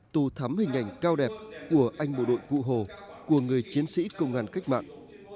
tù thắm hình ảnh cao đẹp của anh bộ đội cụ hồ của người chiến sĩ công an cách mạng